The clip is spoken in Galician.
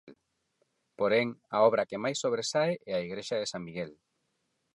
Porén, a obra que máis sobresae é a igrexa de San Miguel.